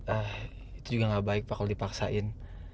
ah itu juga gak baik pak kalau dipaksain